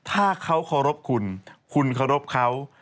ถ้าเขาเคารพคุณคุณเคารพเขา